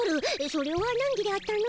それはナンギであったの。